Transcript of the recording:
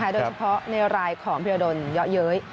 โดยเฉพาะในรายของพิรดลเยอะเย้ย